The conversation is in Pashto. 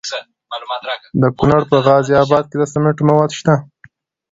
د کونړ په غازي اباد کې د سمنټو مواد شته.